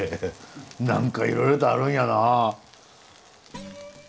何かいろいろとあるんやな。